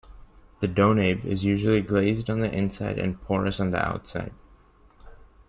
The "donabe" is usually glazed on the inside and porous on the outside.